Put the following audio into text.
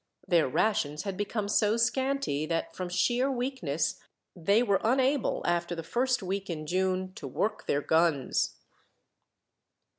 Their rations had become so scanty that, from sheer weakness, they were unable, after the first week in June, to work their guns.